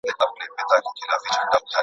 پاکستان ته ناروغان ولي وړل کیږي؟